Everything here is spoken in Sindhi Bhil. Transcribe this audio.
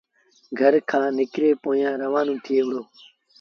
گھر کآݩ نڪري پويآن روآنيٚ ٿئي وُهڙيٚ۔